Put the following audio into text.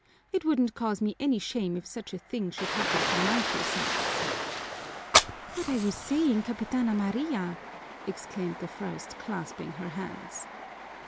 "It wouldn't cause me any shame if such a thing should happen to my two sons." "What are you saying, Capitana Maria!" exclaimed the first, clasping her hands.